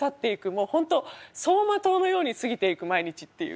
もう本当走馬灯のように過ぎていく毎日っていう。